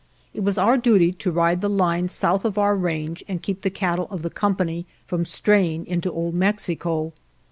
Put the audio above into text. It was our duty to ride the lines south of our range and keep the cattle of the Company from straying into Old Mexico.